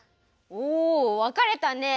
おわかれたね。